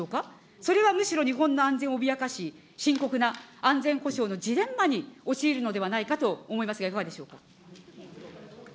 それはむしろ、日本の安全を脅かし、深刻な安全保障のジレンマに陥るのではないかと思いますが、いかがでしょうか。